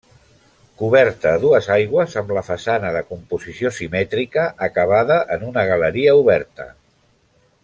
Coberta a dues aigües, amb la façana de composició simètrica acabada en una galeria oberta.